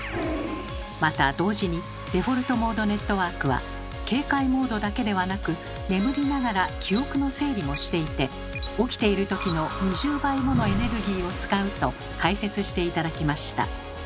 また同時にデフォルトモードネットワークは警戒モードだけではなく眠りながら記憶の整理もしていて起きているときの２０倍ものエネルギーを使うと解説して頂きました。